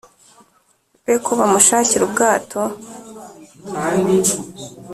Be Ko Bamushakira Ubwato